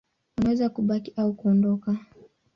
Wanaweza kubaki au kuondoka.